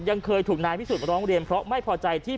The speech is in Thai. ยังเคยถูกนายพิสุทธิร้องเรียนเพราะไม่พอใจที่